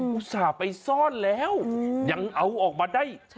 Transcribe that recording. อุตส่าห์ไปซ่อนแล้วยังเอาออกมาได้